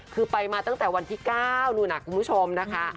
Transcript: คือไปมาตั้งแต่วันที่๙นู่นคุณผู้ชมนะคะ